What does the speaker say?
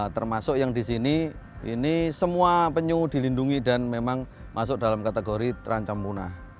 termasuk yang di sini ini semua penyu dilindungi dan memang masuk dalam kategori terancam punah